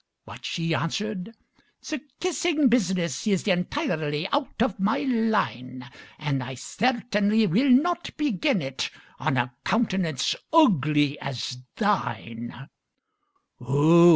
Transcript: But she answered, "The kissing business Is entirely out of my line; And I certainly will not begin it On a countenance ugly as thine!"